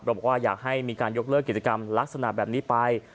บอกว่าอยากให้มีการยกเลิกกิจกรรมลักษณะแบบนี้ไป